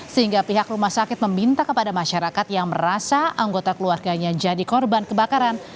sehingga pihak rumah sakit meminta kepada masyarakat yang merasa anggota keluarganya jadi korban kebakaran